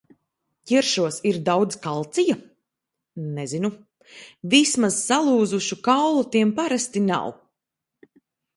Ķiršos ir daudz kalcija? Nezinu. Vismaz salūzušu kaulu tiem parasti nav!